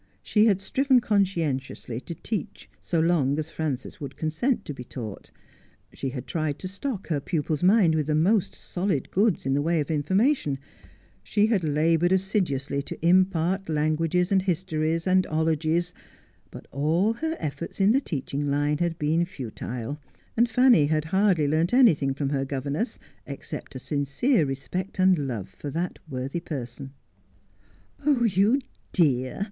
She had striven conscientiously to teach so long as Frances would consent to be taught ; she had tried to stock her pupil's mind with the most solid goods in the way of information ; she had laboured assiduously to impart languages, and histories, and ologies, but all her efforts in the teaching line had been futile, and Fanny had hardly learnt anything from her governess except a sincere respect and love for that worthy person. ' You dear